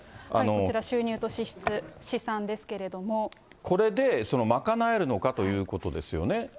こちら収入と支出、これで賄えるのかということですよね。